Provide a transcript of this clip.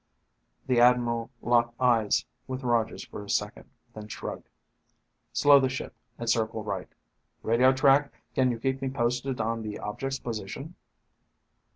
The admiral locked eyes with Rogers for a second, then shrugged. "Slow the ship, and circle right. Radio track, can you keep me posted on the object's position?"